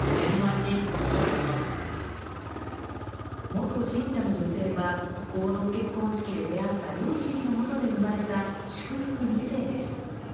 元信者の女性は、合同結婚式で出会った両親の元で生まれた祝福２世です。